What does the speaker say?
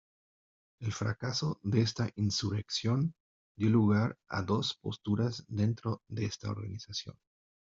El fracaso de esta insurrección dio lugar a dos posturas dentro de esta organización.